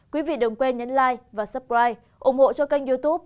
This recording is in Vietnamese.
quý vị đừng quên nhấn like và suppride ủng hộ cho kênh youtube